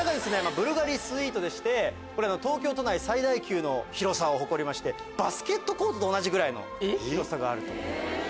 東京都内最大級の広さを誇りましてバスケットコートと同じぐらいの広さがあると。